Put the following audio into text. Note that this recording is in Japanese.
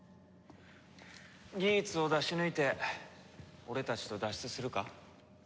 ギーツを出し抜いて俺たちと脱出するか？